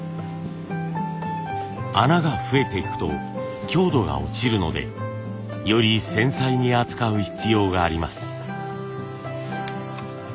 穴が増えていくと強度が落ちるのでより繊細に扱う必要があります。